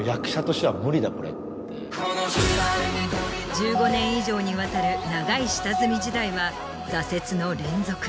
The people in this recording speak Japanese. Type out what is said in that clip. １５年以上にわたる長い下積み時代は挫折の連続。